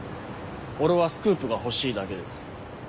俺はスクープが欲しいだけです。